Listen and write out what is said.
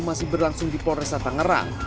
masih berlangsung di polresa tangerang